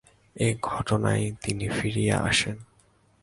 এই ঘটনায় তিনি ফিরিয়া আসেন।